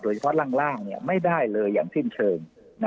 โดยเฉพาะร่างเนี่ยไม่ได้เลยอย่างที่เคิม